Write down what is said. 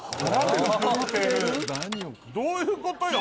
どういうことよ？